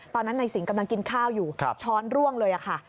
ตอนนั้นในสิงห์กำลังกินข้าวอยู่ช้อนร่วงเลยค่ะ